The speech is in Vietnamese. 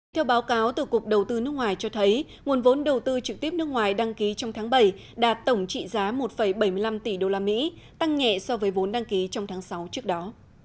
theo báo cáo từ cục đầu tư nước ngoài cho thấy nguồn vốn đầu tư trực tiếp nước ngoài đăng ký trong tháng bảy đạt tổng trị giá một bảy mươi năm tỷ usd tăng nhẹ so với vốn đăng ký trong tháng sáu trước đó